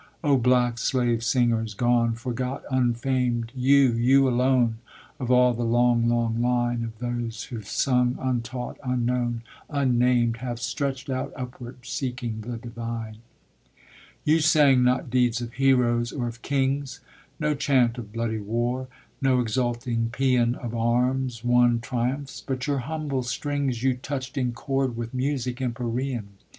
O black slave singers, gone, forgot, unfamed, You you alone, of all the long, long line Of those who've sung untaught, unknown, unnamed, Have stretched out upward, seeking the divine. You sang not deeds of heroes or of kings; No chant of bloody war, no exulting pean Of arms won triumphs; but your humble strings You touched in chord with music empyrean.